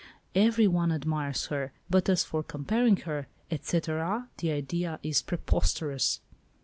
Every one admires her, but as for comparing her, et cetera, the idea is preposterous."